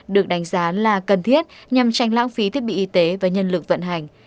được đánh giá là cần thiết nhằm tranh lãng phí thiết bị y tế và nhân lực vận hành